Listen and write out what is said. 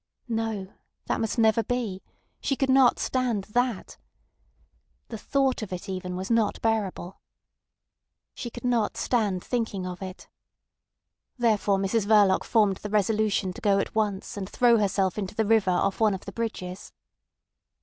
No! that must never be. She could not stand that. The thought of it even was not bearable. She could not stand thinking of it. Therefore Mrs Verloc formed the resolution to go at once and throw herself into the river off one of the bridges.